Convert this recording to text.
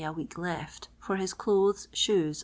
a week left for his clothes, shoes, &c.